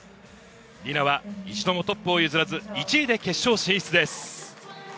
ディナは１度もトップを譲らず１位で決勝進出です。